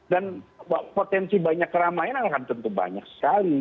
dan potensi banyak keramaian akan tentu banyak sekali